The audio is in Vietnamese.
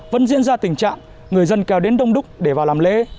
vẫn diễn ra tình trạng người dân kéo đến đông đúc để vào làm lễ